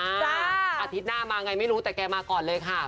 อาทิตย์หน้ามาไงไม่รู้แต่แกมาก่อนเลยค่ะ